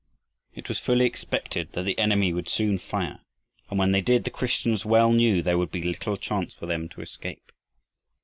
It was fully expected that the enemy would soon fire, and when they did, the Christians well knew there would be little chance for them to escape.